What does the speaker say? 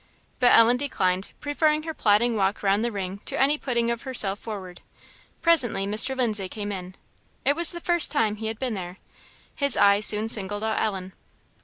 But Ellen declined, preferring her plodding walk round the ring to any putting of herself forward. Presently Mr. Lindsay came in. It was the first time he had been there. His eye soon singled out Ellen.